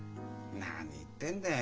何言ってんだよ。